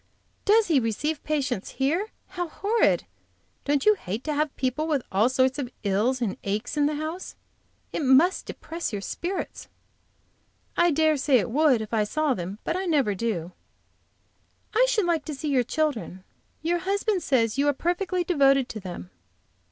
"Does he receive patients here? How horrid! Don't you hate to have people with all sorts of ills and aches in the house? It must depress your spirits." "I dare say it would if I saw them; but I never do." "I should like to see your children. Your husband says you are perfectly devoted to them."